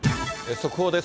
速報です。